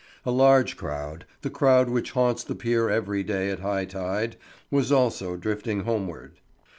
A large crowd, the crowd which haunts the pier every day at high tide—was also drifting homeward.